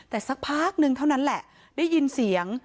แต่สักพักนึงเท่านั้นแหละได้ยินเสียง